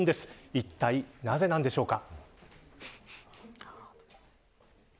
いったい、なぜなんでしょうか。